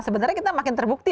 sebenarnya kita makin terbukti